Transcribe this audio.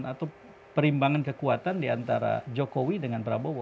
atau perimbangan kekuatan diantara jokowi dengan prabowo